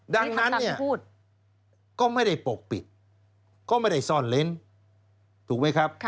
ดังนั้นเนี่ยก็ไม่ได้ปกปิดก็ไม่ได้ซ่อนเล้นถูกไหมครับ